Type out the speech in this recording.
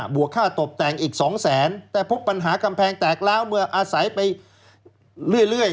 วกค่าตบแต่งอีก๒แสนแต่พบปัญหากำแพงแตกแล้วเมื่ออาศัยไปเรื่อย